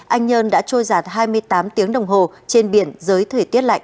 anh nhân đã trôi giảt hai mươi tám tiếng đồng hồ trên biển dưới thời tiết lạnh